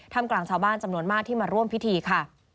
กลางชาวบ้านจำนวนมากที่มาร่วมพิธีค่ะ